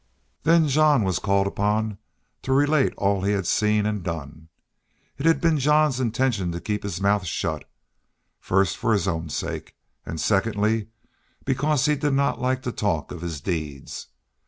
Then Jean was called upon to relate all he had seen and done. It had been Jean's intention to keep his mouth shut, first for his own sake and, secondly, because he did not like to talk of his deeds.